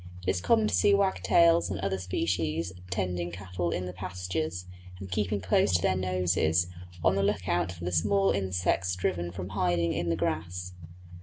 It is common to see wagtails and other species attending cattle in the pastures, and keeping close to their noses, on the look out for the small insects driven from hiding in the grass.